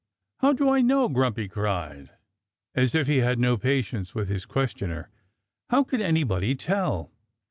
"How do I know?" Grumpy cried, as if he had no patience with his questioner. "How could anybody tell?